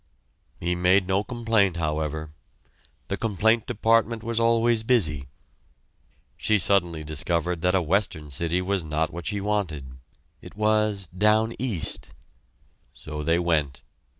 He made no complaint, however. The complaint department was always busy! She suddenly discovered that a Western city was not what she wanted. It was "down East." So they went.